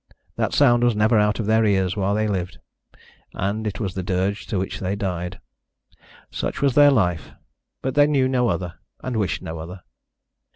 That sound was never out of their ears while they lived, and it was the dirge to which they died. Such was their life, but they knew no other, and wished no other.